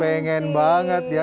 pengen banget ya